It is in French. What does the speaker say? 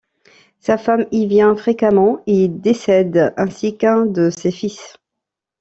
Sa femme y vient fréquemment et y décède, ainsi qu'un de ses fils.